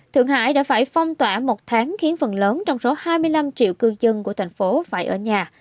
thượng hải đã phải phong tỏa một tháng khiến phần lớn trong số hai mươi năm triệu cư dân của thành phố phải ở nhà